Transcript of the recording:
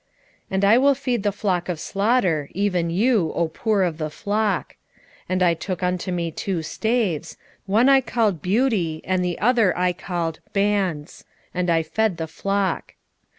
11:7 And I will feed the flock of slaughter, even you, O poor of the flock. And I took unto me two staves; the one I called Beauty, and the other I called Bands; and I fed the flock.